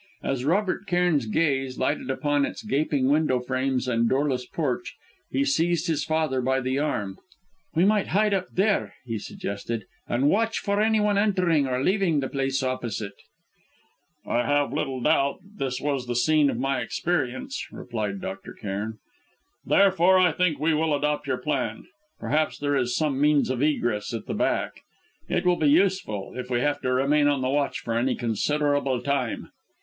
As Robert Cairn's gaze lighted upon its gaping window frames and doorless porch, he seized his father by the arm. "We might hide up there," he suggested, "and watch for anyone entering or leaving the place opposite." "I have little doubt that this was the scene of my experience," replied Dr. Cairn; "therefore I think we will adopt your plan. Perhaps there is some means of egress at the back. It will be useful if we have to remain on the watch for any considerable time."